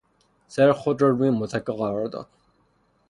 سر خود را روی متکا قرار داد.